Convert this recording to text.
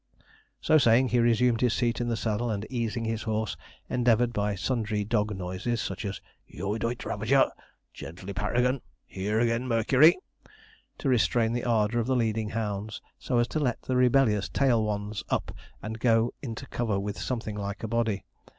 So saying, he resumed his seat in the saddle, and easing his horse, endeavoured, by sundry dog noises such as, 'Yooi doit, Ravager!' 'Gently, Paragon!' 'Here again. Mercury!' to restrain the ardour of the leading hounds, so as to let the rebellious tail ones up and go into cover with something like a body.